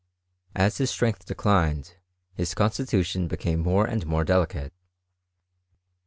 As his strength declined, his constitution became more and more delicate.